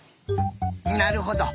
なるほど。